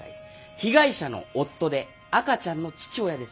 被害者の夫で赤ちゃんの父親です。